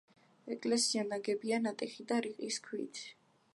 ეკლესია ნაგებია ნატეხი და რიყის ქვით.